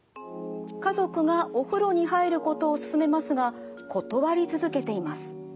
家族がお風呂に入ることを勧めますが断り続けています。